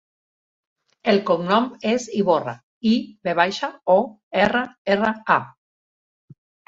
El cognom és Ivorra: i, ve baixa, o, erra, erra, a.